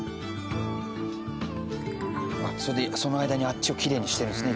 あっそれでその間にあっちをきれいにしてるんですね。